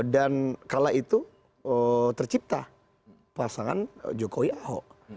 dan kala itu tercipta pasangan jokowi ahok